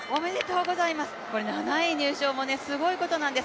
７位入賞もすごいことなんです。